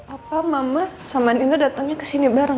apa mama sama nino datangnya kesini barengan